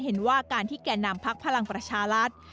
เห็นว่าการที่แก่นำพักพลังประชารัฐ